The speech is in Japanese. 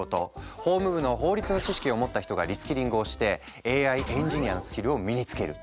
法務部の法律の知識を持った人がリスキリングをしてＡＩエンジニアのスキルを身につける。